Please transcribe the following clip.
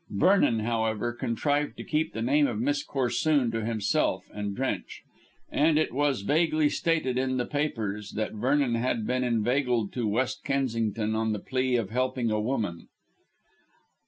Vernon, however, contrived to keep the name of Miss Corsoon to himself and Drench, and it was vaguely stated in the papers that Vernon had been inveigled to West Kensington on the plea of helping a woman.